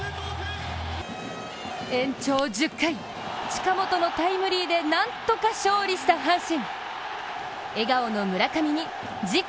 延長１０回、近本のタイムリーでなんとか勝利した阪神。